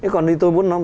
còn tôi muốn nói